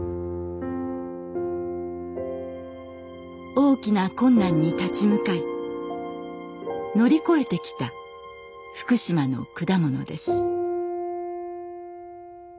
大きな困難に立ち向かい乗り越えてきた福島の果物です。